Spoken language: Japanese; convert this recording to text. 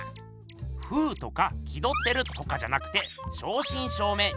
「風」とか「気どってる」とかじゃなくて正しん正めい